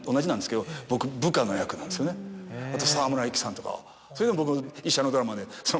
あと沢村一樹さんとかそれでも僕。